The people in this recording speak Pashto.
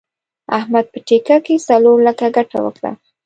احمد په ټېکه کې څلور لکه ګټه وکړه.